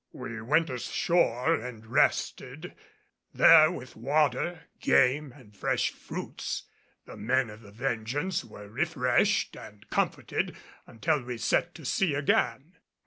We went ashore and rested; there, with water, game, and fresh fruits, the men of the Vengeance were refreshed and comforted until we set to sea again.